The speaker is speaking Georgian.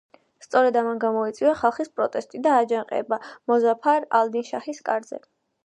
სწორედ ამან გამოიწვია ხალხის პროტესტი და აჯანყება მოზაფარ ალ-დინ შაჰის კარზე.